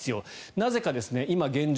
なぜか今、現状